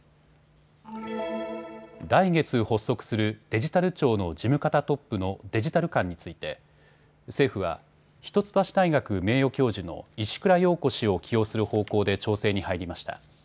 来月発足するデジタル庁の事務方トップのデジタル監について政府は一橋大学名誉教授の石倉洋子氏を起用する方向で調整に入りました。